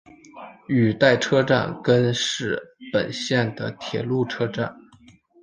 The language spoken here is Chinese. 羽带车站根室本线的铁路车站。